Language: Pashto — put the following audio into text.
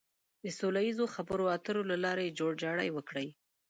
د سوله ييزو خبرو اترو له لارې جوړجاړی وکړي.